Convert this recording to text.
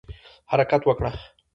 حرکت وکړه